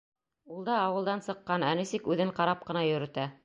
Ул да ауылдан сыҡҡан, ә нисек үҙен ҡарап ҡына йөрөтә!